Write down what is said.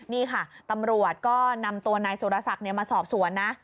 นี่ค่ะตำรวจก็นำตัวนายสุรศักดิ์มาสอบสวนนะ